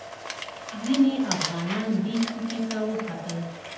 ځینې افغانان دې څوکې ته وختل.